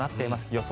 予想